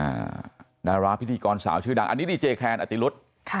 ดาราพิธีกรสาวชื่อดังอันนี้ดีเจแคนอติรุธค่ะ